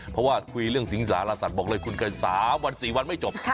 เพราะว่าคุยเรื่องสิงสารสัตว์บอกเลยคุณเคย๓วัน๔วันไม่จบ